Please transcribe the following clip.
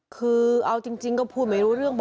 คือเอาจริงก็พูดไม่รู้เรื่อง